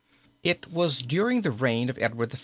It was during the reign of Edward I.